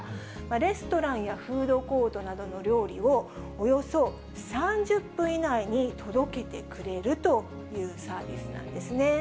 レストランやフードコートなどの料理を、およそ３０分以内に届けてくれるというサービスなんですね。